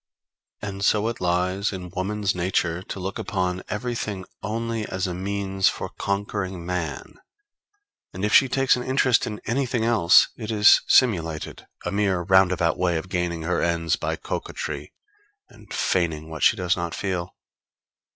And so it lies in woman's nature to look upon everything only as a means for conquering man; and if she takes an interest in anything else, it is simulated a mere roundabout way of gaining her ends by coquetry, and feigning what she does not feel.